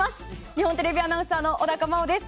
日本テレビアナウンサー小高茉緒です。